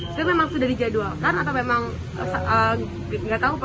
itu memang sudah dijadwalkan atau memang nggak tahu pak